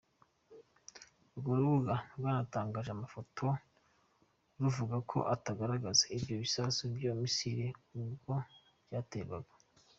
Urwo rubuga rwanatangaje amafoto ruvuga ko agaragaza ibyo bisasu bya misile ubwo byaterwaga.